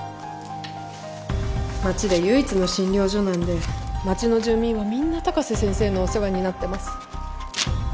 町で唯一の診療所なんで町の住民はみんな高瀬先生のお世話になってます。